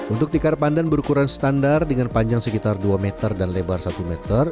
untuk tikar pandan berukuran standar dengan panjang sekitar dua meter dan lebar satu meter